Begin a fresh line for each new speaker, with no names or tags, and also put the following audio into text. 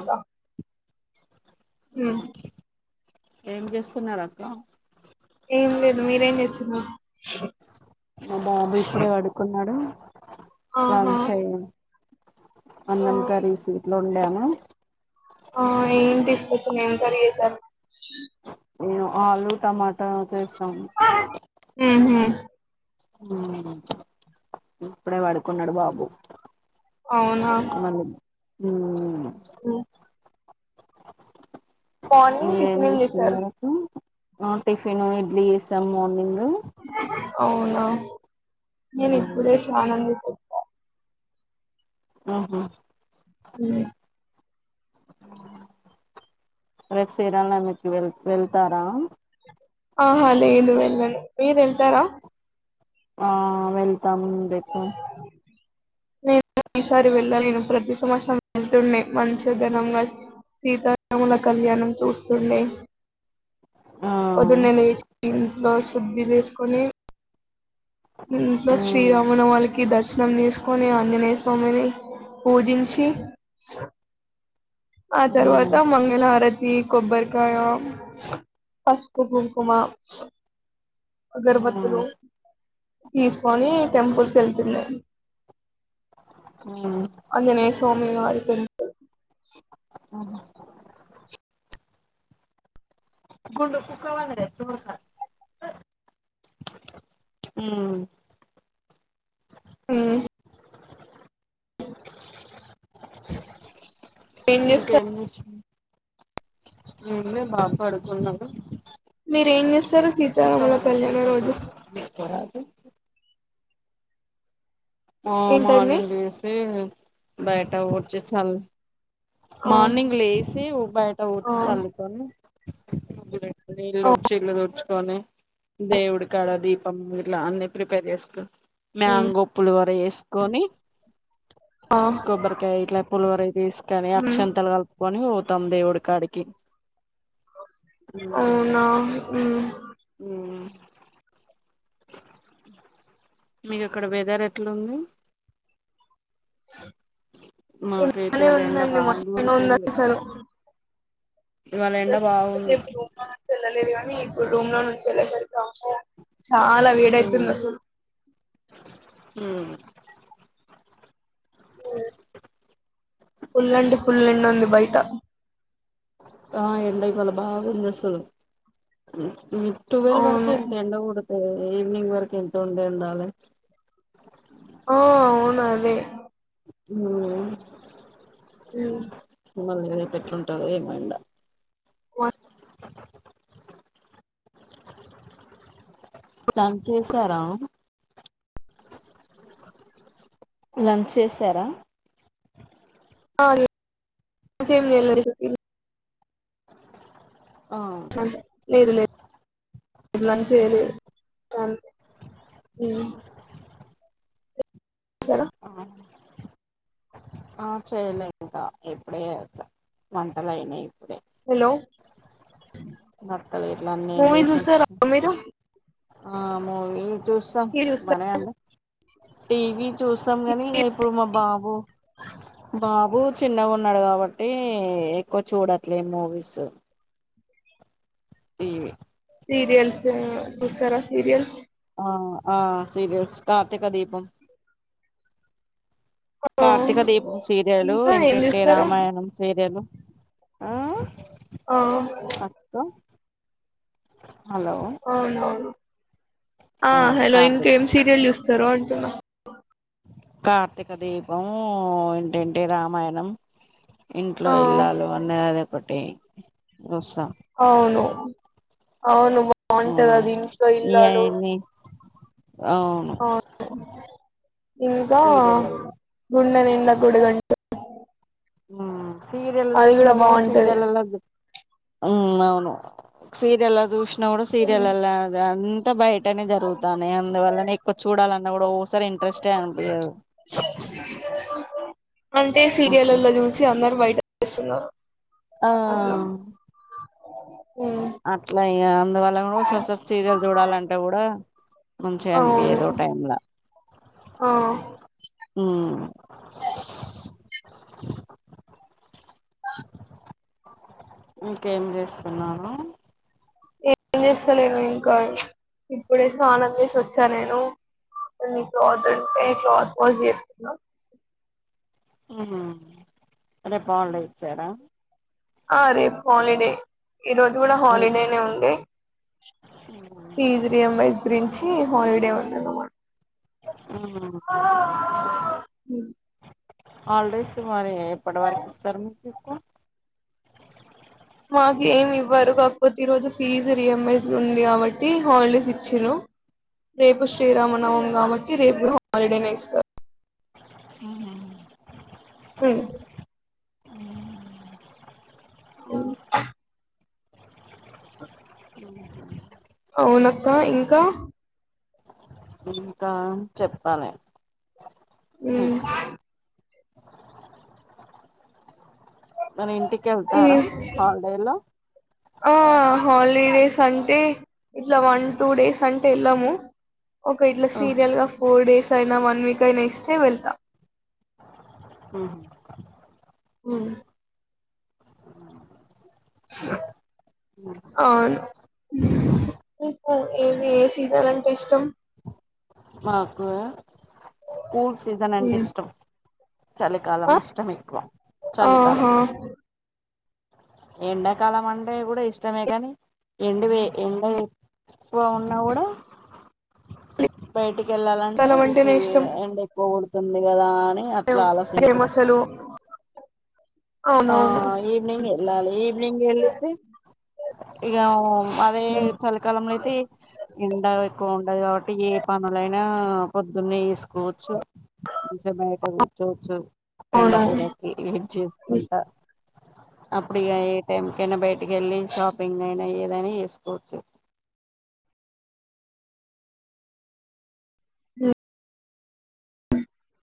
అ
హ్మ్.
ఏం చేస్తున్నారక్క
ఏం లేదు మీరేం చేస్తున్నారు.
మా బాబు ఇప్పుడే పడుకున్నడు. వన్
ఆహా!
సై
ఆ!
అన్నం కల్సి లో [unintelligible]
ఆ ఏంటి స్పెషల్ ఏం కర్రీ చేశారు
ఏ ఆలూ టమాటా చేసాను
ఆహా
ఊ ఇప్పుడే పడుకున్నడు బాబు.
అవునా
ఊ
హ్మ్. మార్నింగ్ టిఫినేం చేసారు.
ఆ టిఫినూ, ఇడ్లీ చేసాం మార్నింగూ.
అవునా నేను ఇప్పుడే స్నానం చేసా.
ఆహా
ఊ
రేపు శ్రీ రామనవమి వెళ్ వెళ్తారా
ఆహా లేదు వెళ్ళను. మీరు వెళ్తారా
ఆ వెళ్ తామ్ రేపు
నేను ఈసారి వెళ్ళలేను. ప్రతి సంవత్సరం వెళ్తుండే. మంచిగ ఘనంగా సీతారాముల కళ్యాణం చూస్తుండే.
ఆ
పొద్దున్నే [inaudible] ఇంట్లో శుద్ధి చేసుకొనీ. ఇంట్లో శ్రీ
ఉమ్
రామనవాళకి దర్ ర్శనం చేసుకొని. అంజనేయ స్వామిని పూజించి ఆ
ఉమ్
తర్వాతా మంగళహారత్ కీ కొబ్బరికాయా, పసుపు కుంకుమా అగరబత్తులు తీసుకొనీ టెంపుల్ కి వెళ్తున్నాం.
ఉమ్
ఆంజనేయ స్వామివార్
ఆహా గుండు కుక్క [unintelligible] ఊ
ఊ ఏం చేస్తారు
ఇంకేం చేస్ [inaudible] ఏం లేదు బాగా పడుకున్నాను.
రేంజేస్ సరే సీతారాముల కళ్యాణ రోజు
థంయూ ఆ
ఏంటండి
మార్నింగ్ లేసీ బయట్ ట ఊడ్చి ఛల్లి
ఆ
మార్నింగ్ లేసి బయట
ఆ
ఊడ్చి ఛల్లుకొని.
ఆ,
[unintelligible] నే దేవుడి కాడ దీపం ఇట్లా అన్ని ప్రిపేర్ చేసుకు
ఉమ్,
మ్యాంగో త్వర వేసుకొని
ఆ,
కొబ్బరికాయ ఇట్లా పులివర తీసుకని
ఉమ్,
అక్షంతాలు కలుపుకొని పో. తందేవుడు కాడకి
అవునా
ఉమ్ మీకు అక్కడ వేఅతేర్ ఎట్లా ఉంది
స
మాకైతే
ఇనే
ఇయాల ఎండ
ఉందండి
బాగా
మొత్తం ఉంద
కొడుతుంది
సారు
ఇవాళ ఎండా బాగుంది.
రూమ్ లో నుంచి వెళ్ళలేదు కానీ ఇప్పుడు రూమ్ లో నుంచి ఎలా చాలా
ఉమ్
వేడైతుంది అసలు
అ
పుల్లంటే పులండు ఉంది బయట
ఆ ఎళ్ళకి వాళ బాగుందిసలు ఈ ట్వల్వ్ వరకు
అవును
ఎంత ఎండ కొడుతు ఈవనింగ్ వరకు ఎంత ఉండ ఉండాలి
ఆ అవును అదే
హ
అ
మ మళీ వెళ పెట్టుంటారు ఏమైండ. టం చేశారా లంచ్ చేసారా
ఆ
ఆ
లేదు లేదు ఇల చేలి
ఆ ఆ చేయలే ఇంకా ఎప్పుడే వంటలు అయినాయి.
హలో
మక్కలు ఇట్ల అన్నీ ఏం
మూవీ
లేసి
చూస్తారా మీరు
ఆ మూవి చూసా
మీరు చూస్తారా
మనం టీవి చూ కానీ ఇప్పుడు మా బాబు బాబు బూ చిన్నగా ఉన్నాడు కాబట్టి ఎక్కువ చూడట్లేదు మూవీస్ టీవి
సీరియల్సు చూస్తారా సీరియల్స్
ఆ ఆ సీరియల్స్ కార్తిక దీపం కార్తీక దీపం సీరియలు
ఇంకా ఏం
ఇంటింటి
చూస్తారు
రామాయణం సీరియలు ఆ
ఆ
అక్క హలో
అవునవును ఆ హలో ఇంకేం సీరియల్ చూస్ స్తరు అంటున్నా
కార్తీక దీపం ఇంటింటి రామాయణం
ఆ
ఇంట్లో ఇళ్లాలు అనేది ఒకటి జూస్తా
అవును అవును బాంటది
ఉమ్
అది ఇంట్లో ఇల్లాలు
ఇవన్నీ అవును
ఆ ఇంకా
సీరియల్లలో
గుండె నిండా గుడిగం
ఆ సీరియల్
అది
చూసినా కూడా
బాగుంటది
సీరియల్ల లాగే ఉ అవును సీరెల్ల జూష్ నోడు
ఉమ్.
సీరియల్ల లాగన్ ంతబాయిట్ టనే జరుగుతాన్నయి అందువల్లనే ఎక్కువ చూడాలన్నా గూడా వో అస్సలు ఇంట్రెస్టే అని పియ్యదు
ఆ అంటే
ఓకే
సీరియల్లలో జూసి అందరు బయట ఇస్తున్నా
ఆ
ఉ
అట్లా ఇగ అందువల్ల గుడా సస్సస్ సీరియల్ చూడాలంటే గుడా మంచిగా
అవును
అనిపియ్యదు ఓ టైం లా
ఆ
ఊను ఇంకేం చేస్తున్నాను
ఏం జేస్తలేను ఇంకా ఇప్పుడే స్నానం చేసి వచ్చా నేను కొన్ని క్లాత్ ఉంటే క్లాత్ వాస్ చేస్తున్న
ఆ [unintelligible] ఇచ్చారా
ఆ రేప్ హాలిడేనే ఈ రోజు కూడా
హ్మ్.
హాలిడేనే ఉండి ఫీజ్ రియబ రిన్స్ చ్చి హలిడే మంట [unintelligible]
ఆ ఆల్డేస్ మరే ఎప్పటి వరకు ఇస్తారు మీకు చొప్పు
మాకు ఏమి ఇవ్వరు కాకపోతే ఈరోజు ఫీజు రియేంబెన్స్ ఉంది కాబట్టి హాలిడేస్ ఇచ్చిర్రు, రేపు శ్రీరామనవమ్ కాబట్టి రేపు హాలిడేనే ఇస్తారు.
ఆ హా
ఉ అఓ ఓ
అ
అవునక్క ఇంకా
ఇంకా చెప్పాలే
ఉ
మన ఇంటి
ఆ హలీడేస్ అంటే ఇట్లా వన్ టూ డేస్ అంటే వెళ్ళాము ఒక ఇల్లు
ఆహా,
సీరియల్ గా ఫోర్ డేస్ అయినా వన్ వీక్ అయిన ఇస్తే వెళ్తా
ఉహు
హు స ఆ ఏది సీజన్ అన్ ఇష్టం
మాకు కూల్ సీజన్ అంటే ఇష్టం చలికాలం ఇష్టం ఎక్కువ చలికాలం
ఆహా
ఎండాకాలం అంటే కూడా ఇష్టమే కానీ ఎండవే ఎండ ఎక్కువ ఉన్నా కూడా బయటిక్ వెళ్ళాలంటే
తలం
ఊక్కే
అంటేనే
ఎండ ఎక్కువ స్తుందికాదన్
ఎవ్ చేయలేమసలు
ఆ ఈవ్నింగ్ ఎల్లాలి ఈవ్నింగ్ వెళ్ళితే ఇకా వో అదే చలికాలంలో అయితే ఎండ ఎక్కువ ఉన్ ఉంటది కాబట్టి ఏ పనులైనా పొద్దున్నే చేసుకోవచ్చు. కొంచెం బయట కూర్చోచ్చు ఎండ
అవును
కూూరకి ఏంచే తాన్ అప్పుడు ఇగ ఏ టైంకైనా బయటికి వెళ్ళి షాపింగ్ అయినా ఏదైనా చేసుకోవచ్చు
హ